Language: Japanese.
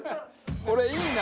これいいな！